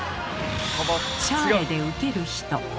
シャーレで受ける人。